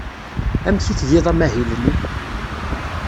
Amek i tgiḍ amahil-nni?